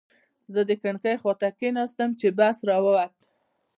زه د کړکۍ خواته کېناستم چې بس را ووت.